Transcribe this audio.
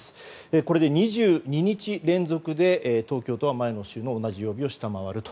これで２２日連続で東京都は前の週の同じ曜日を下回ると。